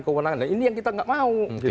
kewenangan nah ini yang kita nggak mau